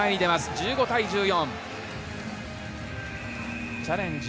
１５対１４。